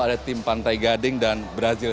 ada tim pantai gading dan brazil